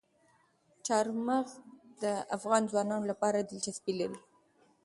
چار مغز د افغان ځوانانو لپاره دلچسپي لري.